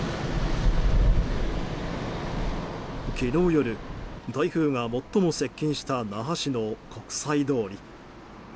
昨日夜、台風が最も接近した那覇市の国際通り。